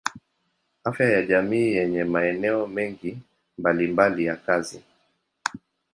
Afya ya jamii yenye maeneo mengi mbalimbali ya kazi.